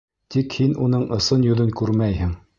Тик һин уның ысын йөҙөн күрмәйһең.